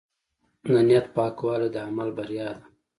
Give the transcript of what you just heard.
د نیت پاکوالی د عمل بریا ده.